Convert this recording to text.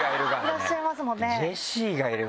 いらっしゃいますもんね。